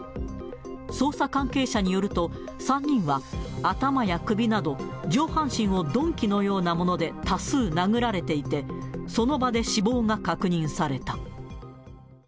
捜査関係者によると、３人は頭や首など、上半身を鈍器のようなもので多数殴られていて、その場で死亡が確認された。